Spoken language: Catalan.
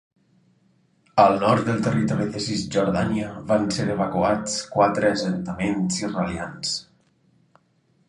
Al nord del territori de Cisjordània van ser evacuats quatre assentaments israelians.